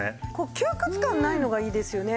窮屈感ないのがいいですよね。